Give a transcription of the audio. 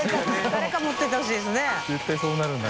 誰か持っててほしいですね。